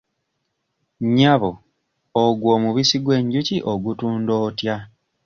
Nnyabo ogwo omubisi gw'enjuki ogutunda otya?